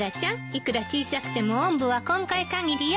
いくら小さくてもおんぶは今回限りよ。